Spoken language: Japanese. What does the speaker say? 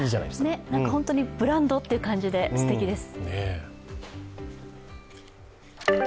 ね、本当にブランドっていう感じですてきです。